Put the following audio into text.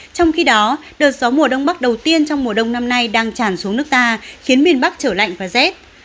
trong khi đó đợt gió mùa đông bắc đầu tiên trong mùa đông năm nay đang tràn xuống nước ta khiến miền bắc trở lạnh và rét